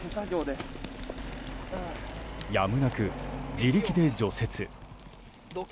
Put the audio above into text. やむなく、自力で除雪。